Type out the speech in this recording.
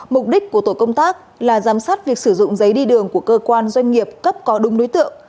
mục đích của tổ công tác là giám sát việc sử dụng giấy đi đường của cơ quan doanh nghiệp cấp có đúng đối tượng